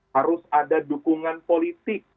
harus ada dukungan politik